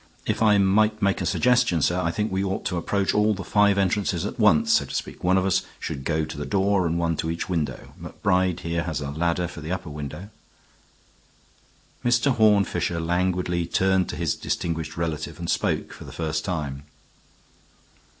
If I might make a suggestion, sir, I think we ought to approach all the five entrances at once, so to speak. One of us should go to the door and one to each window; Macbride here has a ladder for the upper window." Mr. Horne Fisher languidly turned to his distinguished relative and spoke for the first time.